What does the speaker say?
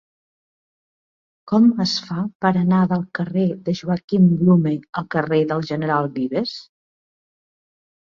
Com es fa per anar del carrer de Joaquim Blume al carrer del General Vives?